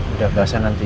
udah bahasnya nanti ya